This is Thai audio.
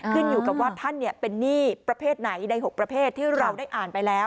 ขึ้นอยู่กับว่าท่านเป็นหนี้ประเภทไหนใน๖ประเภทที่เราได้อ่านไปแล้ว